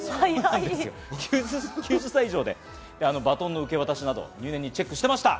９０歳以上でバトンの受け渡しなど入念にチェックしていました。